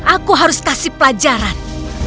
aku harus kasih pelajaran